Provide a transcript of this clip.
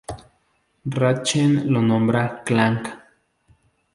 Ratchet lo nombra "Clank".